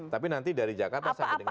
tapi nanti dari jakarta sampai dengan